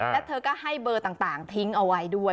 แล้วเธอก็ให้เบอร์ต่างทิ้งเอาไว้ด้วย